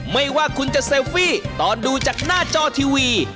ไม่ว่าคุณจะเซลฟี่ตอนดูจากหน้าจอทีวี